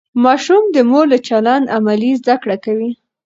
ماشوم د مور له چلند عملي زده کړه کوي.